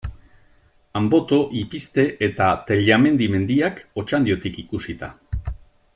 Anboto, Ipizte eta Tellamendi mendiak, Otxandiotik ikusita.